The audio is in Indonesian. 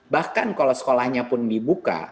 bahkan kalau sekolahnya pun dibuka